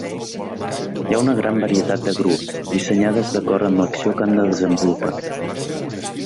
Hi ha una gran varietat de grues, dissenyades d'acord amb l'acció que han de desenvolupar.